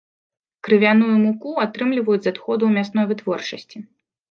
Крывяную муку атрымліваюць з адходаў мясной вытворчасці.